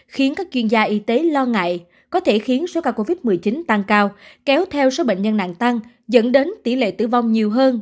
khiến các chuyên gia y tế lo ngại có thể khiến số ca covid một mươi chín tăng cao kéo theo số bệnh nhân nặng tăng dẫn đến tỷ lệ tử vong nhiều hơn